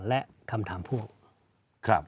และคำถามพวก